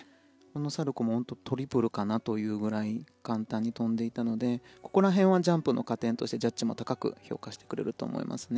サルコウもトリプルかなというくらい簡単に跳んでたのでここら辺はジャンプの加点としてジャッジも高く加点すると思います。